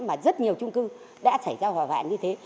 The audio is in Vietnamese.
mà rất nhiều trung cư đã xảy ra hỏa vạn như thế